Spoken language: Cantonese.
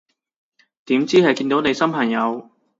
點知係見到你新朋友